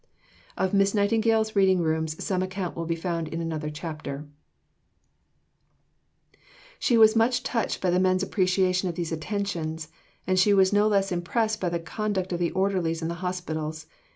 Of Miss Nightingale's reading rooms some account will be found in another chapter (XI.). Kinglake, p. 436. She was much touched by the men's appreciation of these attentions, and she was no less impressed by the conduct of the orderlies in the hospitals.